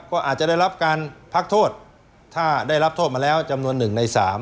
ก็อาจจะได้รับการพักโทษถ้าได้รับโทษมาแล้วจำนวน๑ใน๓